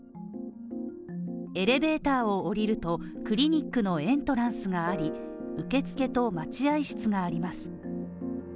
エレベーターを降りると、クリニックのエントランスがあり、受付と待合室があります。